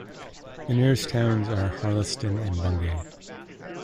The nearest towns are Harleston and Bungay.